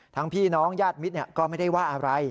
พี่น้องญาติมิตรก็ไม่ได้ว่าอะไร